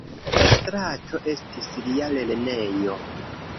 La strato estis lia lernejo.